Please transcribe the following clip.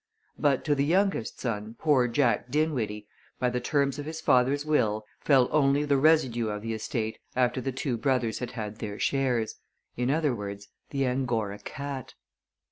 But to the youngest son, poor Jack Dinwiddie, by the terms of his father's will, fell only the residue of the estate after the two brothers had had their shares; in other words, the Angora cat!